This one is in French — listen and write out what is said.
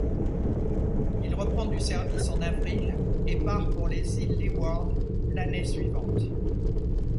Il reprend du service en avril et part pour les îles Leeward l'année suivante.